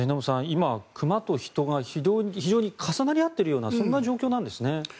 今、熊と人が非常に重なり合ってるようなそんな状況なんですね。